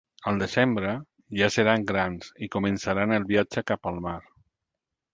Al desembre, ja seran grans i començaran el viatge cap al mar.